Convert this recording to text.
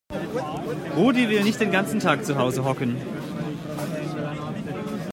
Rudi will nicht den ganzen Tag zu Hause hocken.